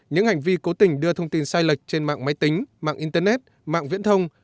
những hành vi cố tình đưa thông tin sai lệch trên mạng máy tính mạng internet mạng viễn thông